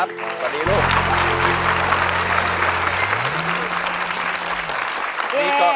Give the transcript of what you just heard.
เปลี่ยนเพลงเพลงเก่งของคุณและข้ามผิดได้๑คำ